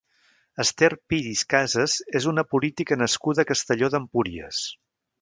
Ester Piris Casas és una política nascuda a Castelló d'Empúries.